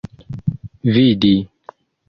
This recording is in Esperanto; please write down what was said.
vidi